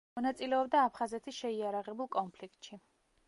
მონაწილეობდა აფხაზეთის შეიარაღებულ კონფლიქტში.